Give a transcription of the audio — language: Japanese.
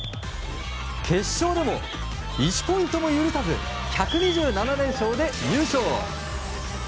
決勝でも１ポイントも許さず１２７連勝で優勝！